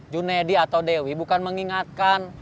junedi atau dewi bukan mengingatkan